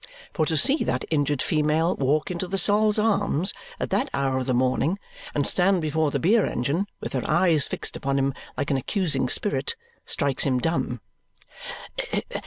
For to see that injured female walk into the Sol's Arms at that hour of the morning and stand before the beer engine, with her eyes fixed upon him like an accusing spirit, strikes him dumb.